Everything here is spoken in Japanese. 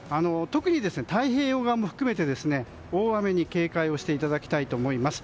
太平洋側も含めて大雨に警戒をしていただきたいと思います。